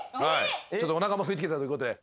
ちょっとおなかもすいてきたということで。